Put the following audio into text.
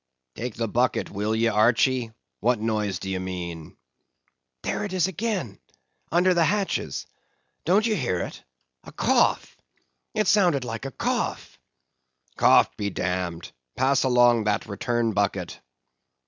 "Take the bucket, will ye, Archy? what noise d'ye mean?" "There it is again—under the hatches—don't you hear it—a cough—it sounded like a cough." "Cough be damned! Pass along that return bucket."